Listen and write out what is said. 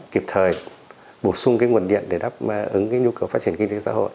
kịp thời bổ sung nguồn điện để đáp ứng nhu cầu phát triển kinh tế xã hội